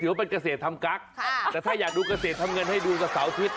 ว่าเป็นเกษตรทำกั๊กแต่ถ้าอยากดูเกษตรทำเงินให้ดูกับเสาร์อาทิตย์